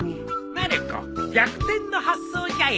まる子逆転の発想じゃよ。